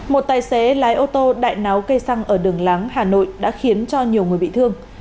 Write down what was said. một tài xế lái ô tô đại náo cây xăng ở đường láng hà nội đã khiến cho nhiều người bị thương